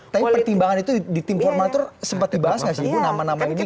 tapi pertimbangan itu di tim formatur sempat dibahas nggak sih ibu nama nama ini